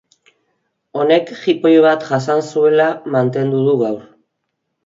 Honek jipoi bat jasan zuela mantendu du gaur.